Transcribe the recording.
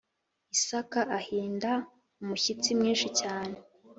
Isaka ahinda umushyitsi mwinshi cyane